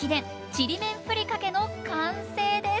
「ちりめんふりかけ」の完成です！